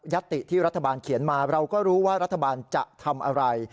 ติที่รัฐบาลเขียนมาเราก็รู้ว่ารัฐบาลจะทำอะไร